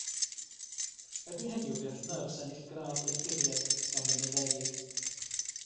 Erbyn heddiw, fe all y nyrs ennill gradd doethuriaeth, gan fynd yn feddyg.